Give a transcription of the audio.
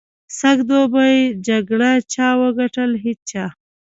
سږ دوبي جګړه چا وګټل؟ هېچا.